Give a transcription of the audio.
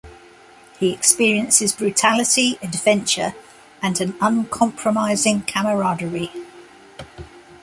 He experiences brutality, adventure, and an uncompromising camaraderie.